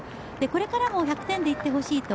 これからも１００点で行ってほしいと。